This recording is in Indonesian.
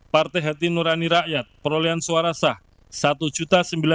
partai hati nurani rakyat perolehan suara sah satu sembilan puluh empat lima ratus delapan puluh delapan suara